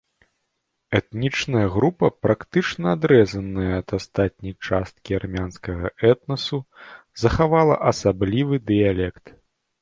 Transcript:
Этнічная група, практычна адрэзаная ад астатняй часткі армянскага этнасу, захавала асаблівы дыялект.